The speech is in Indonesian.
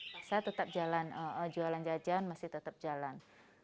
masa tetap jalan jualan jajan masih tetap jalan